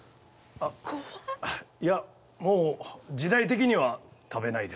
あっいやもう時代的には食べないですけど。